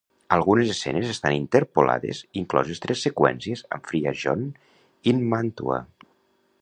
Algunes escenes estan interpolades, incloses tres seqüències amb Friar John in Mantua.